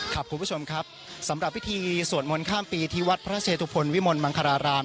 คุณผู้ชมครับสำหรับพิธีสวดมนต์ข้ามปีที่วัดพระเชตุพลวิมลมังคาราราม